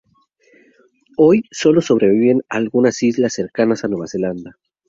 Hoy, solo sobreviven en algunas islas cercanas a Nueva Zelanda.